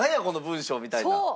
この文章みたいな。